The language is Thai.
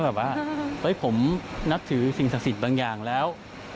แบบว่าเฮ้ยผมนับถือสิ่งศักดิ์สิทธิ์บางอย่างแล้ว